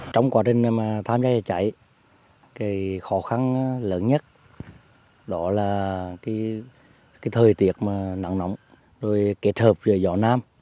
trong quá trình tham gia chạy cháy khó khăn lớn nhất là thời tiết nắng nóng kết hợp với gió nam